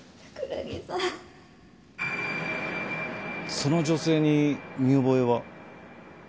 その女性に見覚えは？